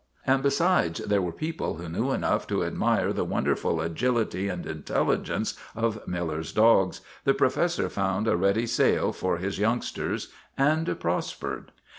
And because there were people who knew enough to admire the won derful agility and intelligence of Miiller's dogs, STRIKE AT TIVERTON MANOR 131 the Professor found a ready sale for his youngsters and prospered.